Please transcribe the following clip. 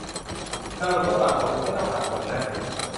สรุปต้องตัดผมหรือไม่ต้องตัดผมนะ